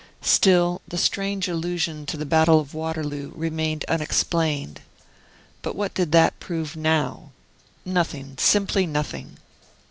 Still, the strange allusion to the battle of Waterloo remained unexplained. But what did that prove now? Nothing, simply nothing.